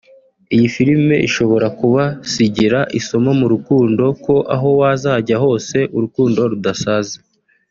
Iyi filime ishobora kubasigira isomo mu rukundo ko aho wazajya hose urukundo rudasaza